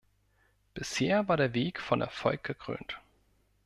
Bisher war der Weg von Erfolg gekrönt.